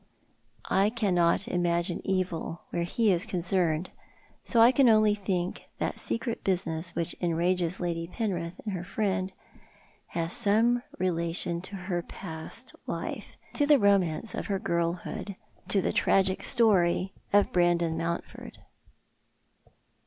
I cannot imagine evil where he is concerned ; so I can only think that secret business which engages Lady Penrith and her friend has some relation to her past life — to the romance of her girlhood^to the tragic story of Brandon Mountford.